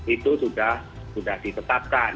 itu sudah ditetapkan